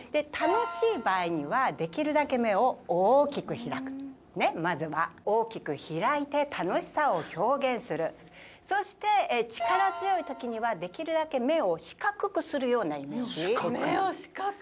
楽しい場合にはできるだけ目を大きく開くまずは大きく開いて楽しさを表現するそして力強い時にはできるだけ目を四角くするようなイメージ目を四角！？